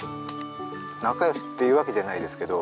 仲良しっていうわけじゃないですけど。